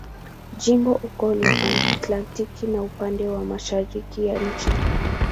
Jimbo uko la Atlantiki na upande wa mashariki ya nchi.